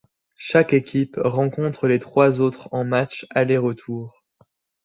Chaque équipe rencontre les trois autres en matchs aller-retour.